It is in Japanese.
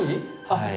はい。